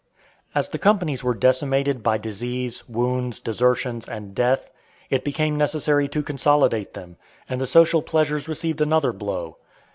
As the companies were decimated by disease, wounds, desertions, and death, it became necessary to consolidate them, and the social pleasures received another blow.